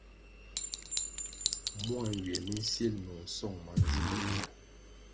Mua nywie mi nsil nung song manzi momea ri.